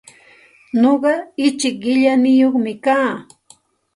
Nuqaichik qillaniyuqmi kaa.